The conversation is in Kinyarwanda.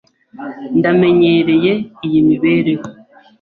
Ndamenyereye iyi mibereho.